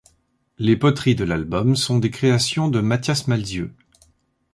Les poteries de l'album sont des créations de Mathias Malzieu.